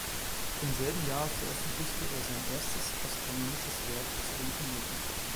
Im selben Jahr veröffentlichte er sein erstes astronomisches Werk zu den Kometen.